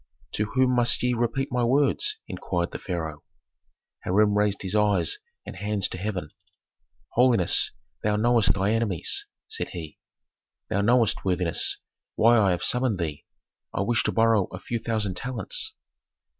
"To whom must ye repeat my words?" inquired the pharaoh. Hiram raised his eyes and hands to heaven. "Holiness, thou knowest thy enemies," said he. "Thou knowest, worthiness, why I have summoned thee. I wish to borrow a few thousand talents."